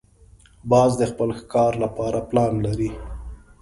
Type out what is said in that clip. باز د خپل ښکار لپاره پلان لري